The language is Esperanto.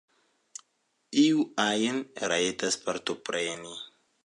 Iu ajn rajtas partopreni.